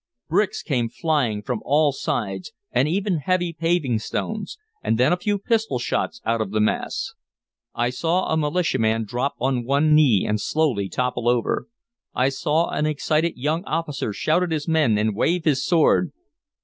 Bricks came flying from all sides and even heavy paving stones, and then a few pistol shots out of the mass. I saw a militia man drop on one knee and slowly topple over. I saw an excited young officer shout at his men and wave his sword.